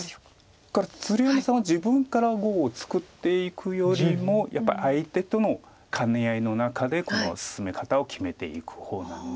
鶴山さんは自分から碁を作っていくよりもやっぱり相手との兼ね合いの中で進め方を決めていく方なんで。